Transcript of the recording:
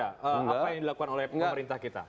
apa yang dilakukan oleh pemerintah kita